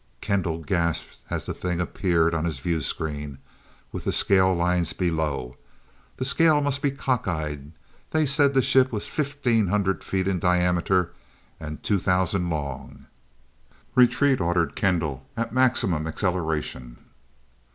Kendall gasped as the thing appeared on his view screen, with the scale lines below. The scale must be cock eyed. They said the ship was fifteen hundred feet in diameter, and two thousand long! "Retreat," ordered Kendall, "at maximum acceleration."